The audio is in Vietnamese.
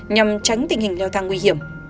nhằm tránh tình hình leo thang nguy hiểm